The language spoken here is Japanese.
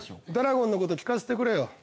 ドラゴンのこと聞かせてくれよ。